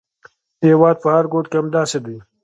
د هېواد په هر ګوټ کې همداسې دي.